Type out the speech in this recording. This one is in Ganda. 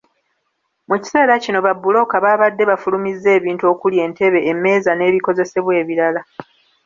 Mu kiseera kino babbulooka baabadde bafulumizza ebintu okuli entebe, emmeeza n’ebikozesebwa ebirala.